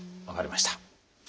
分かりました。